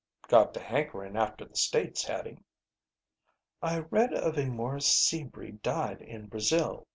"Got to hankering after the States, Hattie." "I read of a Morris Sebree died in Brazil.